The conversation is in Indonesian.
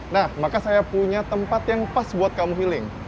nah maka saya punya tempat yang pas buat kamu healing